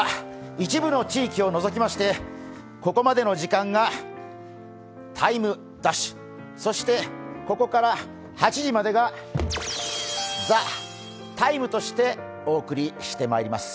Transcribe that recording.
一部の地域を除きまして、ここまでの時間が「ＴＩＭＥ’」、そしてここから８時までが「ＴＨＥＴＩＭＥ，」としてお送りしてまいります。